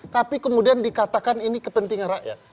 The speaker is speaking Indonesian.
tapi kemudian dikatakan ini kepentingan rakyat